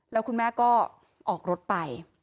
แล้วคุณแม่ก็ออกรถไป